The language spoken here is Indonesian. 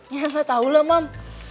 ya gak tau lah mam